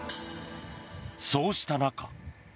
そうした中。